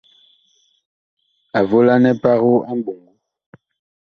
A volanɛ pago a mɓoŋgo.